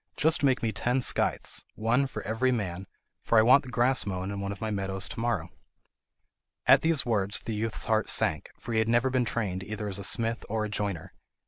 Just make me ten scythes, one for every man, for I want the grass mown in one of my meadows to morrow." At these words the youth's heart sank, for he had never been trained either as a smith or a joiner.